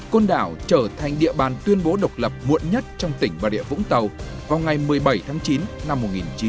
côn đảo trở thành địa bàn tuyên bố độc lập muộn nhất trong tỉnh bà địa vũng tàu vào ngày một mươi bảy tháng chín năm một nghìn chín trăm bảy mươi năm